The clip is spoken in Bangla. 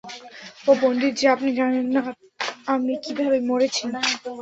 ও পন্ডিতজি, আপনি জানেন না আমি কিভাবে মরেছি!